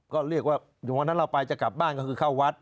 ก็เรียกว่าวันนั้นเราไปจะกลับบ้านก็คือเข้าวัด